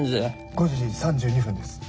５時３２分です。